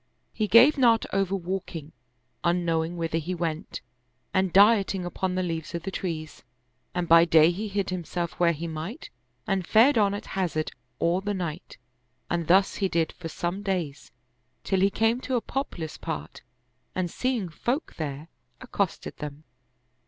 He gave not over walking, un knowing whither he went and dieting upon the leaves of the trees ; and by day he hid himself where he might and fared on at hazard all the night; and thus he did for some days, till he came to a populous part and seeing folk there, ac costed them.